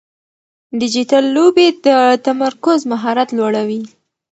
ډیجیټل لوبې د تمرکز مهارت لوړوي.